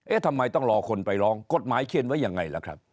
ทำไมต้องรอคนไปร้องกฎหมายเขียนไว้ยังไงล่ะครับ